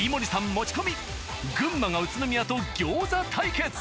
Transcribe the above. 持ち込み群馬が宇都宮とギョーザ対決。